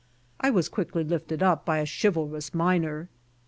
I was quickly lifted up by a chivalrous miner.